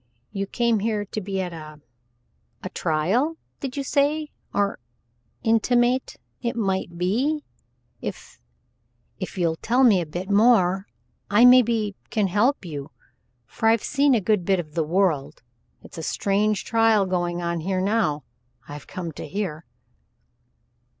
You came here to be at a a trial did you say, or intimate it might be? If if you'll tell me a bit more, I maybe can help you for I've seen a good bit of the world. It's a strange trial going on here now I've come to hear."